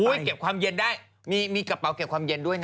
เก็บความเย็นได้มีกระเป๋าเก็บความเย็นด้วยนะ